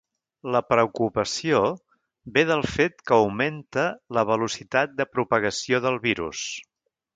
La preocupació ve del fet que augmenta la velocitat de propagació del virus.